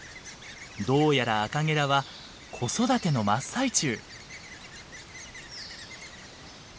どうやらアカゲラは子育ての真っ最中。